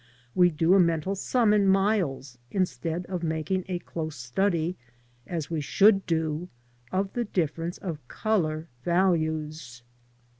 We do a mental sum in miles instead of making a close study, as we should do, of the difference of colour values.